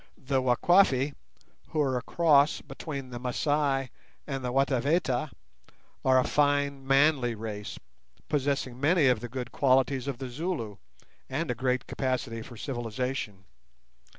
The Wakwafi, who are a cross between the Masai and the Wataveta, are a fine manly race, possessing many of the good qualities of the Zulu, and a great capacity for civilization.